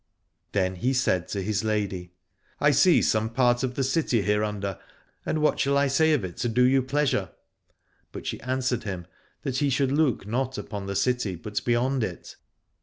Then he said to his lady, I see some part of the city hereunder, and what shall I say of it to do you pleasure ? But she answered him that he should look not upon the city, but beyond it.